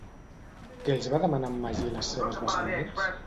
Què els va demanar en Magí a les seves descendents?